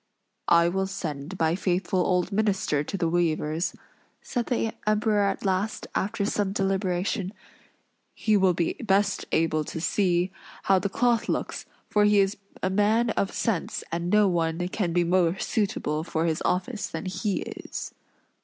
"I will send my faithful old minister to the weavers," said the Emperor at last, after some deliberation, "he will be best able to see how the cloth looks; for he is a man of sense, and no one can be more suitable for his office than he is."